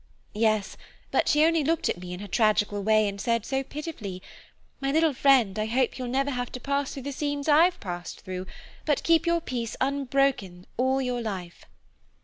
"Yes, but she only looked at me in her tragical way, and said, so pitifully, 'My little friend, I hope you will never have to pass through the scenes I've passed through, but keep your peace unbroken all your life.